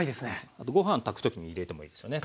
あとご飯炊く時に入れてもいいですよね